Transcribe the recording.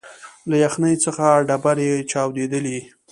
له یخنۍ څخه ډبري چاودېدلې